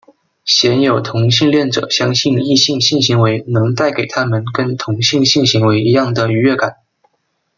鲜有同性恋者相信异性性行为能带给他们跟同性性行为一样的愉悦感。